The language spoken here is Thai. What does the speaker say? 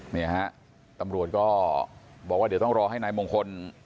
เนี่ยฮะตำรวจก็บอกว่าเดี๋ยวต้องรอให้นายมงคล